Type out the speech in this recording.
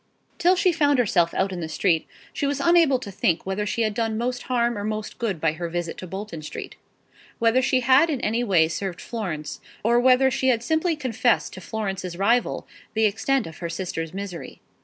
Till she found herself out in the street, she was unable to think whether she had done most harm or most good by her visit to Bolton Street, whether she had in any way served Florence, or whether she had simply confessed to Florence's rival the extent of her sister's misery.